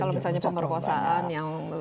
kalau misalnya pemerkosaan yang